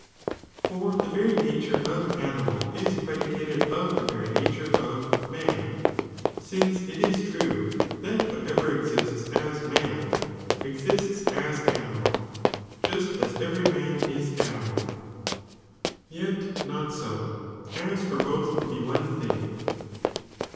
For the very nature of animal ia predicated of the very nature of man, since it is true that whatever exists as man, exists as animal, (just aa every man is animal,) yet not ao, aa for both to be one ihing.